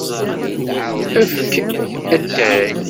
Efk atay.